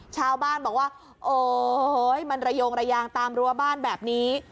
ชาวบ้านบอกว่าโอ๊ยมันระโยงระยางตามรั้วบ้านแบบนี้